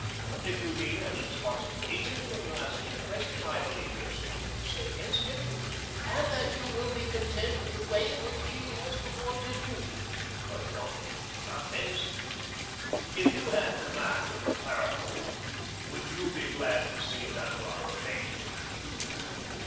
If you mean as responsible agent when you ask me the question, I believe there is nothing to say against him, and that you will be content with the way in which he has performed his duty." "But tell me, Dantès, if you had command of the Pharaon should you be glad to see Danglars remain?"